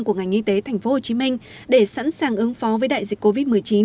của ngành y tế tp hcm để sẵn sàng ứng phó với đại dịch covid một mươi chín